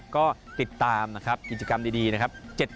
ก็ติดตามกิจกรรมดีนะครับ